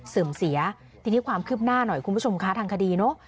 เสื่อมเสียทีนี้ความคืบหน้าหน่อยคุณผู้ชมคะทางคดีเนอะ